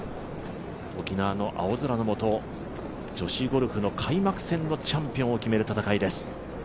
沖縄の青空のもと女子ゴルフの開幕戦のチャンピオンを決める戦いです。